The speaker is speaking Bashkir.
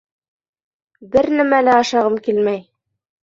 — Бер нәмә лә ашағым килмәй!